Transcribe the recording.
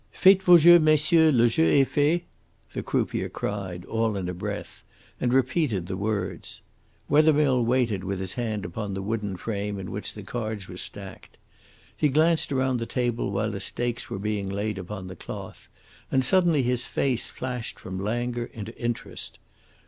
"Faites vos jeux, messieurs. Le jeu est fait?" the croupier cried, all in a breath, and repeated the words. Wethermill waited with his hand upon the wooden frame in which the cards were stacked. He glanced round the table while the stakes were being laid upon the cloth, and suddenly his face flashed from languor into interest.